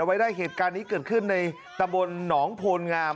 ไว้ได้เหตุการณ์นี้เกิดขึ้นในตะบนหนองโพลงาม